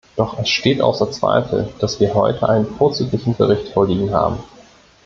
Doch es steht außer Zweifel, dass wir heute einen vorzüglichen Bericht vorliegen haben.